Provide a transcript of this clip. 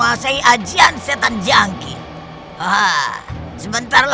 aku tidak ingin memiliki ibu iblis seperti mu